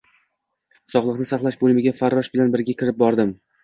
Sog`likni saqlash bo`limiga farrosh bilan birga kirib bordim